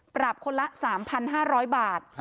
ปรับคนละ๓๕๐๐บาท